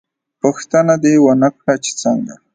_ پوښتنه دې ونه کړه چې څنګه؟